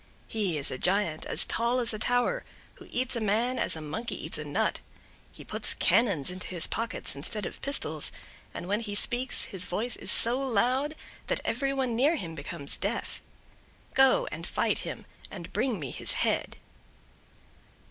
He is a giant as tall as a tower, who eats a man as a monkey eats a nut: he puts cannons into his pockets instead of pistols; and when he speaks, his voice is so loud that every one near him becomes deaf. Go and fight him, and bring me his head."